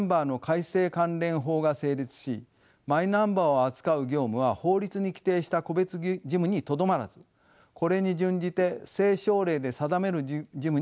関連法が成立しマイナンバーを扱う業務は法律に規定した個別事務にとどまらずこれに準じて政省令で定める事務に広げました。